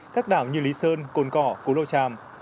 các đảo như lý sơn cồn cỏ cố lộ tràm